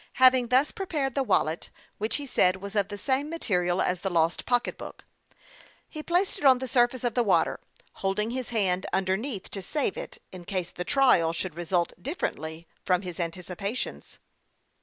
Having thus prepared the wallet, which he said was of the same material as the lost pocketbook, he placed it on the surface of the water, holding his hand underneath to save it, in case the trial should result differently from his anticipations.